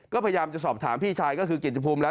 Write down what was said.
ก็พยายามจะสอบถามพี่ชายก็คือกิจภูมิแล้ว